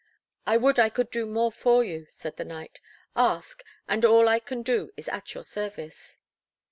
"I would I could do more for you," said the knight. "Ask, and all I can do is at your service."